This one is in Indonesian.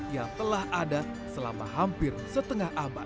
yang telah ada selama hampir setengah abad